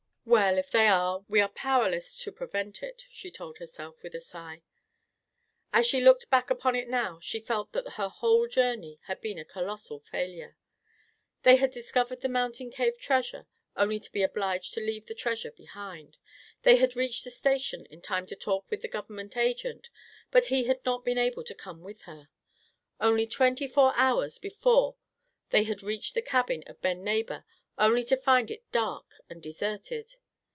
"Well, if they are, we are powerless to prevent it," she told herself with a sigh. As she looked back upon it now, she felt that her whole journey had been a colossal failure. They had discovered the mountain cave treasure, only to be obliged to leave the treasure behind. They had reached the Station in time to talk with the Government Agent, but he had not been able to come with her. Only twenty four hours before they had reached the cabin of Ben Neighbor, only to find it dark and deserted.